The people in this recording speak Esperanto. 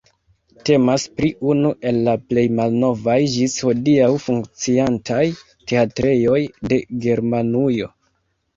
Temas pri unu el la plej malnovaj ĝis hodiaŭ funkciantaj teatrejoj de Germanujo.